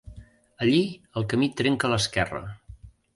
Allí el camí trenca a l'esquerra.